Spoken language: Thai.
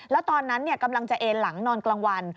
แล้วตอนนั้นกำลังจะเอ็นหลังนอนกลางวัน